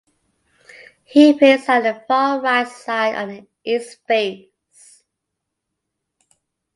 He appears at the far right side on the east face.